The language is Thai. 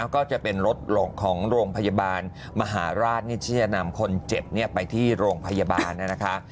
ก็จะเป็นรถของโรงพยาบาลมหาราชที่จะนำคนเจ็บไปที่โรงพยาบาลนะคะ